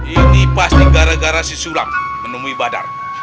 ini pasti gara gara si sulam menemui badan